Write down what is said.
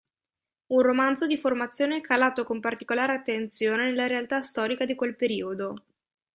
Un romanzo di formazione calato con particolare attenzione nella realtà storica di quel periodo.